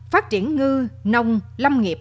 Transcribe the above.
phát triển ngư nông lâm nghiệp